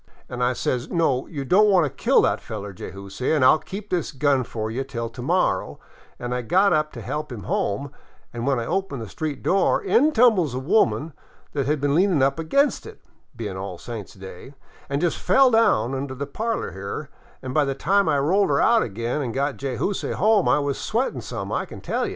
An' I says, * No, you don't want to kill that feller, Jayzoose, an' I '11 keep this gun fer you until to morrow,' — an' I got up to help him home, an' when I opened the street door, in tumbles a woman that had been leanin' up against it — being All Saints' Day — an' just fell down into the parlor here ; an' by the time I rolled her out again an' got Jayzoose home I was sweatin' some, I can tell you."